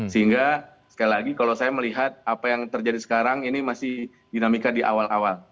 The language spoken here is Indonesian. sehingga sekali lagi kalau saya melihat apa yang terjadi sekarang ini masih dinamika di awal awal